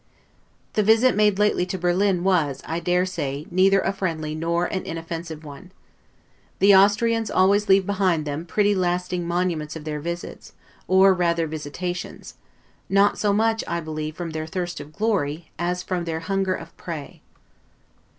The visit made lately to Berlin was, I dare say, neither a friendly nor an inoffensive one. The Austrians always leave behind them pretty lasting monuments of their visits, or rather visitations: not so much, I believe, from their thirst of glory, as from their hunger of prey.